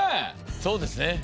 そうですね。